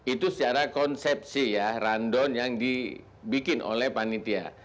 itu secara konsepsi ya rundown yang dibikin oleh panitia